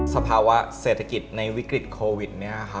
สภาวะเศรษฐกิจในวิกฤตโควิด